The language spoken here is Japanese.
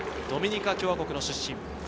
ドミニカ共和国の出身。